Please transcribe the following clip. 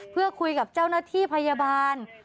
เพื่อคุยกับเจ้าหน้าที่พยาบาล